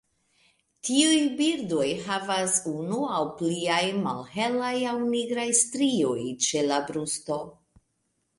Tiuj birdoj havas unu aŭ pliaj malhelaj aŭ nigraj strioj ĉe la brusto.